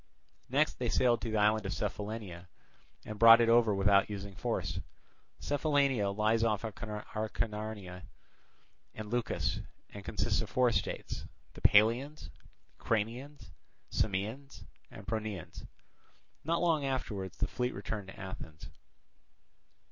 Next they sailed to the island of Cephallenia and brought it over without using force. Cephallenia lies off Acarnania and Leucas, and consists of four states, the Paleans, Cranians, Samaeans, and Pronaeans. Not long afterwards the fleet returned to Athens.